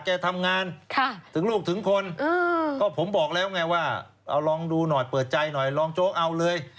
แกทำงานถึงลูกถึงคนก็ผมบอกแล้วไงว่าเอาลองดูหน่อยเปิดใจหน่อยรองโจ๊กเอาเลย